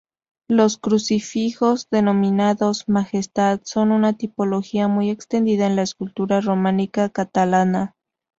Los crucifijos denominados "Majestad" son una tipología muy extendida en la escultura románica catalana.